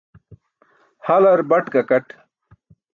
Halar baṭ gakat.